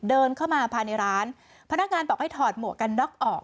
เดินเข้ามาภายในร้านพนักงานบอกให้ถอดหมวกกันน็อกออก